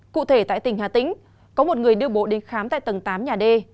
cụ thể tại tỉnh hà tĩnh có một người đưa bộ đến khám tại tầng tám nhà d